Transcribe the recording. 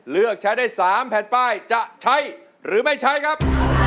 เลือกใช้ได้๓แผ่นป้ายจะใช้หรือไม่ใช้ครับ